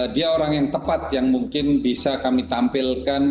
dia orang yang tepat yang mungkin bisa kami tampilkan